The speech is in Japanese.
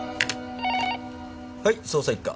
はい捜査一課。